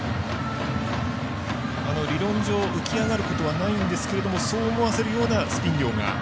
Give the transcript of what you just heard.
理論上浮き上がることはないんですがそう思わせるようなスピン量が。